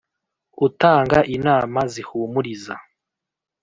utanga inama zihumuriza,